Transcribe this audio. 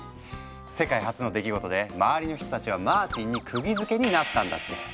世界初の出来事で周りの人たちはマーティンにくぎづけになったんだって。